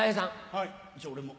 はいじゃあ俺も。